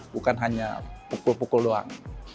bukan hanya pukul pukul doang